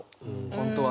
本当は。